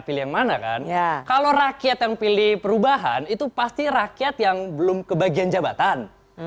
pilih yang man boys ya kan yang pilih perubahan itu pasti rakyat yang belum kebagian jabatan